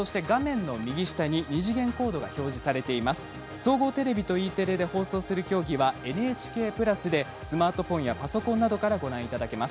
総合テレビとＥテレで放送する競技はＮＨＫプラスでスマートフォンやパソコンなどからご覧いただけます。